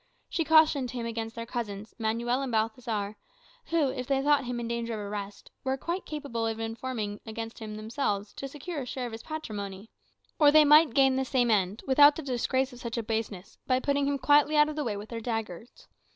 She cautioned him against their cousins, Manuel and Balthazar; who, if they thought him in danger of arrest, were quite capable of informing against him themselves, to secure a share of his patrimony. Or they might gain the same end, without the disgrace of such a baseness, by putting him quietly out of the way with their daggers.